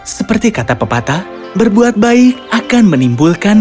seperti kata pepatah berbuat baik akan menimbulkan